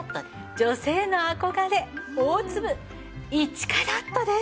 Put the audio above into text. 女性の憧れ大粒１カラットです。